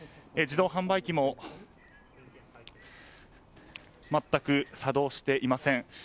自動販売機もまったく作動していません。